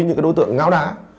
những cái đối tượng ngáo đá